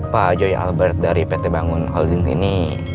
pak joy albert dari pt bangun holding ini